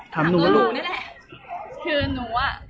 ทำดูกกันนี่แหละ